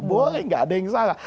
boleh nggak ada yang salah